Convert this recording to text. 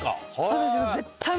私も。